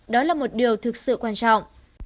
đó là một điều thực sự quan trọng